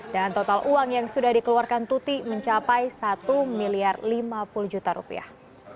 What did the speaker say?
dan total uang yang sudah dikeluarkan tuti mencapai satu miliar lima puluh juta rupiah